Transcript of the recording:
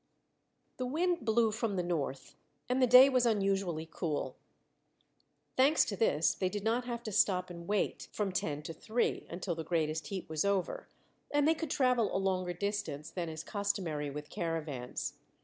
The wind blew from the north and the day was unusually cool. Thanks to this they did not have to stop and wait from ten to three, until the greatest heat was over, and they could travel a longer distance than is customary with caravans.